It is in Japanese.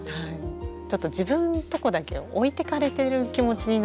ちょっと自分とこだけ置いてかれてる気持ちになっちゃうんですよね。